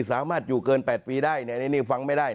สามารถอยู่เกิน๘ปีได้อันนี้ฟังไม่ได้